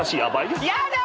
やだ！